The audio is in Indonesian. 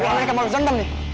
yang lain kemana